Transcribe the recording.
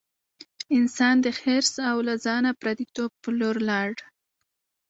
انسان د حرص او له ځانه پردیتوب په لور لاړ.